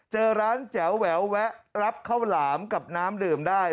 เจอร้านแจ๋วแหววแวะรับข้าวหลามกับน้ำดื่มได้